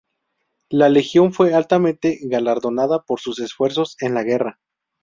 La Legión fue altamente galardonada por sus esfuerzos en la guerra.